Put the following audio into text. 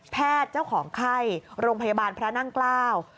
เจ้าของไข้โรงพยาบาลพระนั่งเกล้า